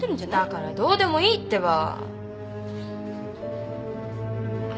だからどうでもいいってば！